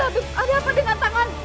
tadi apa dengan tangan